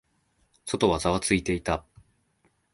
外はざわついていた。